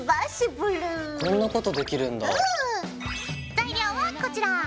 材料はこちら。